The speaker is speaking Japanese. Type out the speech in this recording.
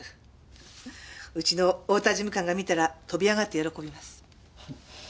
うちの太田事務官が見たら飛び上がって喜びます。